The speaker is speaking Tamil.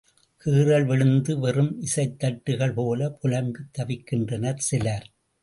கீறல் விழுந்த வெறும் இசைத் தட்டுகள் போலப் புலம்பித் தவிக்கின்றனர் சிலர்.